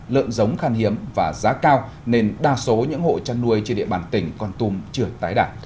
lợn giống khan hiếm và giá cao nên đa số những hộ chăn nuôi trên địa bàn tỉnh con tum chưa tái đàn